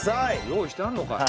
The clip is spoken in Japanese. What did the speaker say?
用意してあんのかよ。